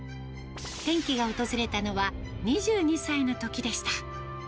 転機が訪れたのは２２歳のときでした。